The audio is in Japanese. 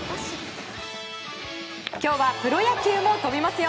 今日はプロ野球も跳びますよ。